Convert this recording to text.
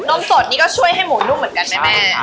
มสดนี่ก็ช่วยให้หมูนุ่มเหมือนกันไหมแม่